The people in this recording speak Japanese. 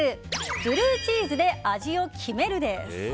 ブルーチーズで味を決める！です。